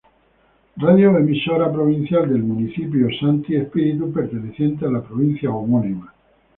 Radio emisora provincial del municipio Sancti Spiritus perteneciente a la provincia homónima.